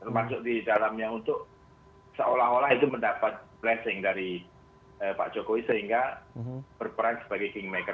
termasuk di dalamnya untuk seolah olah itu mendapat blessing dari pak jokowi sehingga berperan sebagai kingmaker